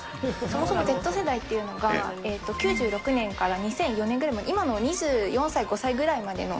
そもそもＺ世代っていうのが、９６年から２００４年ぐらいまで、今の２４歳、５歳ぐらいまでの、